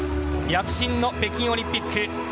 躍進の北京オリンピック。